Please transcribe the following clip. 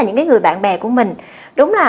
những người bạn bè của mình đúng là